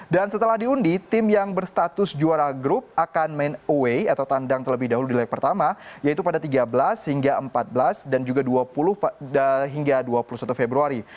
dan setelah diundi tim yang berstatus juara grup akan main away atau tandang terlebih dahulu di layak pertama yaitu pada tiga belas hingga empat belas dan juga dua puluh hingga dua puluh satu februari